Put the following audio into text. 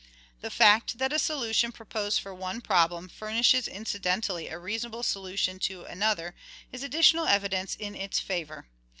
The fact that a solution proposed for one problem furnishes incidentally a reasonable solution to another is additional evidence in its favour.